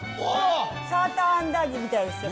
サーターアンダーギーみたいですけどね。